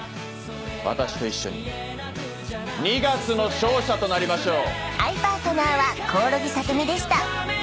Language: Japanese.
私と一緒に二月の勝者となりましょう。